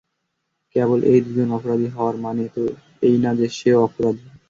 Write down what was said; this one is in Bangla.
কেবল এই দুজন অপরাধী হওয়ার মানে তো এই না যে সেও অপরাধী।